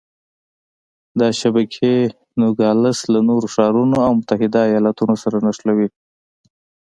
دا شبکې نوګالس له نورو ښارونو او متحده ایالتونو سره نښلوي.